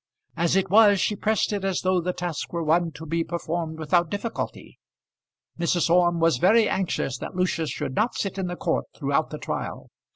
As it was she pressed it as though the task were one to be performed without difficulty. Mrs. Orme was very anxious that Lucius should not sit in the court throughout the trial.